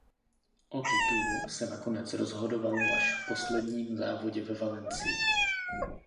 O titulu se nakonec rozhodovalo až v posledním závodě ve Valencii.